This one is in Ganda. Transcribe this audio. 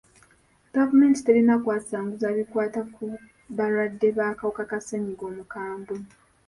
Gavumenti terina kwasanguza bikwata ku balwadde b'akawuka ka ssenyiga omukambwe.